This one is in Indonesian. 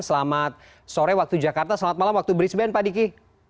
selamat sore waktu jakarta selamat malam waktu brisbane pak diki